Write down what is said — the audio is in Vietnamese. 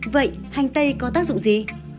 vậy hành tây có tác dụng gì